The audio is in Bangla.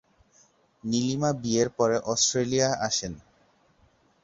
নীলিমা বিয়ের পরে অস্ট্রেলিয়া আসেন।